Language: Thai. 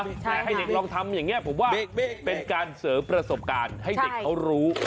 แต่ให้เด็กลองทำอย่างนี้ผมว่าเป็นการเสริมประสบการณ์ให้เด็กเขารู้